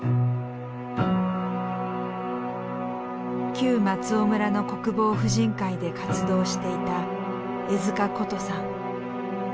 旧松尾村の国防婦人会で活動していた江塚ことさん。